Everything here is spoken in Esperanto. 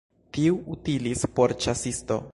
Tiu utilis por ĉasisto.